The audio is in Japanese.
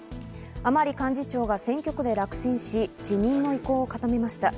甘利幹事長が選挙区で落選し、辞任の意向を固めました。